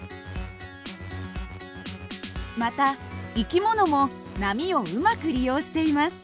また生き物も波をうまく利用しています。